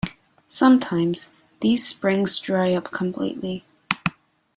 Sometimes, these springs dry up completely.